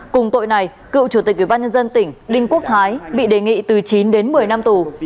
cùng tội này cựu chủ tịch ủy ban nhân dân tỉnh đinh quốc thái bị đề nghị từ chín đến một mươi năm tù